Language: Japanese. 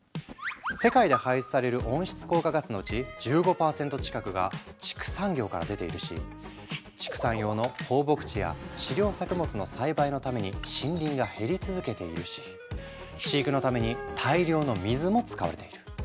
世界で排出される温室効果ガスのうち１５％近くが畜産業から出ているし畜産用の放牧地や飼料作物の栽培のために森林が減り続けているし飼育のために大量の水も使われている。